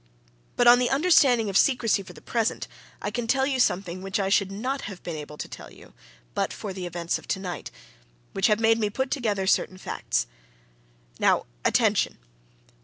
But on the understanding of secrecy for the present I can tell you something which I should not have been able to tell you but for the events of tonight, which have made me put together certain facts. Now attention!